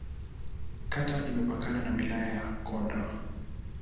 Kata imepakana na Wilaya ya Kondoa.